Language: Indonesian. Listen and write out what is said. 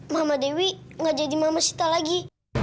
mama dewi gak jadi mama sita lagi